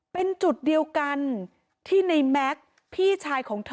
เป็นจุดเดียวกันที่ในแม็กซ์พี่ชายของเธอ